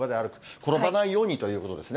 転ばないようにということですね。